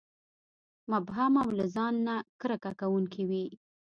مبهم او له ځان نه کرکه کوونکي وي.